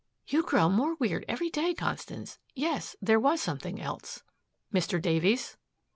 "You grow more weird, every day, Constance. Yes there was something else." "Mr. Davies?"